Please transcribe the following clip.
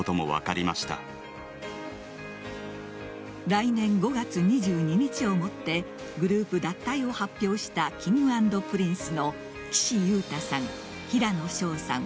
来年５月２２日をもってグループ脱退を発表したＫｉｎｇ＆Ｐｒｉｎｃｅの岸優太さん、平野紫耀さん